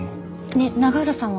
ねえ永浦さんは？